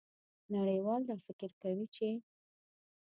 نړیوال دا فکر کوي چې